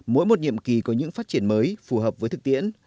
mỗi một nhiệm kỳ có những phát triển mới phù hợp với thực tiễn